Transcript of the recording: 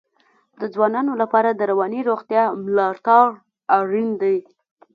د ځوانانو لپاره د رواني روغتیا ملاتړ اړین دی.